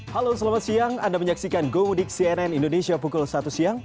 halo selamat siang anda menyaksikan go mudik cnn indonesia pukul satu siang